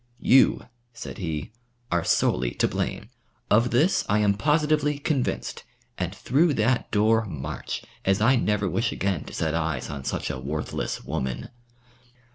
"You," said he, "are solely to blame. Of this I am positively convinced, and through that door march, as I never wish again to set eyes on such a worthless woman."